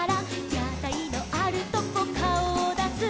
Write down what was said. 「やたいのあるとこかおをだす」